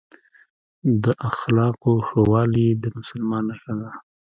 د اخلاقو ښه والي د مسلمان نښه ده.